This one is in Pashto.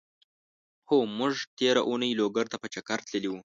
هو! مونږ تېره اونۍ لوګر ته په چګر تللی وو.